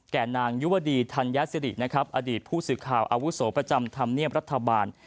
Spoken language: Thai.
แก่นางยุวดีธัญญาสิริอดีตผู้ศึกคราวอาวุโสประจำธรรมเนียมรัฐบาล